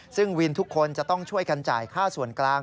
ซึ่งวินทุกคนจะต้องช่วยกันจ่ายค่าส่วนกลาง